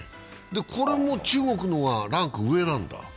これも中国の方がランク上なんだ。